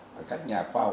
và các nhà khoa học